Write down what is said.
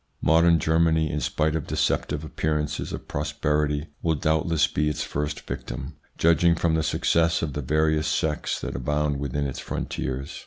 Modern Germany, in spite of deceptive appearances of prosperity, will doubtless be its first victim, judging from the success of the various sects that abound within its frontiers.